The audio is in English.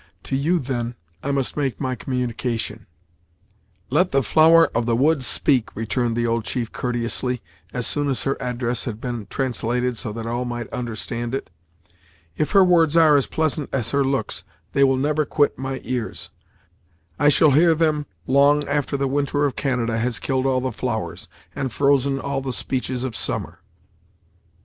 To you, then, I must make my communication." "Let the Flower of the Woods speak," returned the old chief courteously, as soon as her address had been translated so that all might understand it "If her words are as pleasant as her looks, they will never quit my ears; I shall hear them long after the winter of Canada has killed all the flowers, and frozen all the speeches of summer."